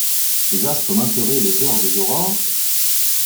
Les astres manqueraient les heures des aurores ?